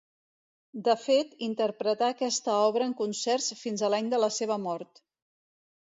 De fet, interpretà aquesta obra en concerts fins a l'any de la seva mort.